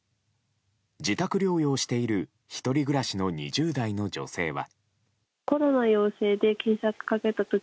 自宅療養している１人暮らしの２０代の女性は。